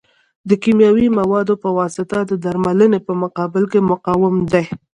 د کیمیاوي موادو په واسطه د درملنې په مقابل کې مقاوم دي.